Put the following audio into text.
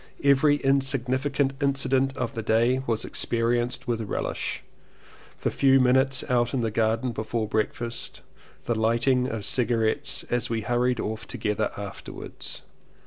Every insignificant inci dent of the day was experienced with relish — the few minutes out in the garden before breakfast — the lighting of cigarettes as we hurried off together afterwards.